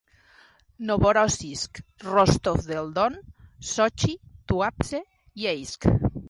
Novorossisk, Rostov del Don, Sochi, Tuapse, Yeysk.